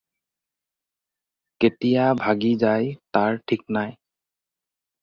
কেতিয়া ভাগি যায় তাৰ ঠিক নাই